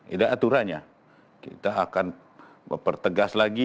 tidak aturannya kita akan mempertegas lagi